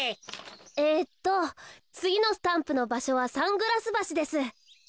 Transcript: えっとつぎのスタンプのばしょはサングラスばしです。